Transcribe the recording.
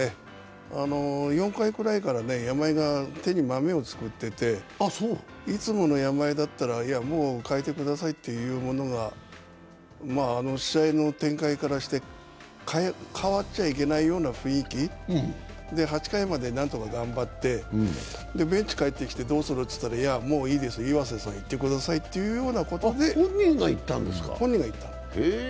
４回くらいから山井が手にまめをつくってて、いつもの山井だったらもう代えてくださいというのがあの試合の展開からして代わっちゃいけないような雰囲気８回までなんとか頑張ってベンチに帰ってきたときにどうする？って聴いたらいや、もういいです、岩瀬さんいってくださいということで本人が言ったの。